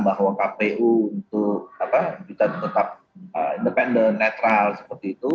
bahwa kpu untuk kita tetap independen netral seperti itu